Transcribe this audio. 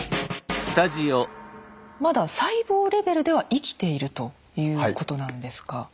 まだ細胞レベルでは生きているということなんですか？